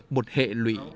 một hệ lụy